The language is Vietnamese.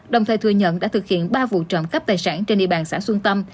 đồng thời thừa nhận đã thực hiện ba vụ trộm cắp tài sản trên địa bàn xã xuân tâm